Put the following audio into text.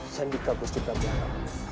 sandika gusti prabowo